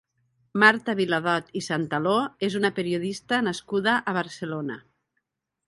Marta Viladot i Santaló és una periodista nascuda a Barcelona.